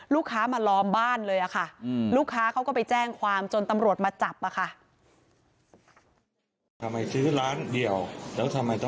ลูกค้ามาล้อมบ้านเลยค่ะลูกค้าเขาก็ไปแจ้งความจนตำรวจมาจับอะค่ะ